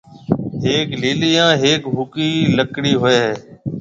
ھيَََڪ ليِلِي ھان ھيَََڪ ھوڪِي لڪڙي ھوئيَ ھيََََ